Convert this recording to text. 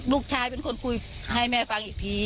ลูกชายเป็นคนคุยให้แม่ฟังอีกที